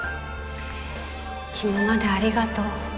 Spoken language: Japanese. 今までありがとう。